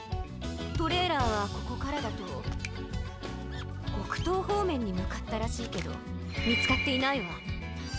トレーラーはここからだとほくとうほうめんにむかったらしいけどみつかっていないわ。